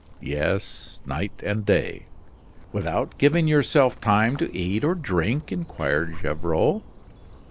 "Yes, night and day." "Without giving yourself time to eat or drink?" inquired Gevrol.